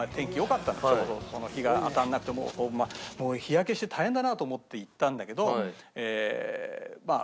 日が当たらなくて日焼けして大変だなと思って行ったんだけどまあ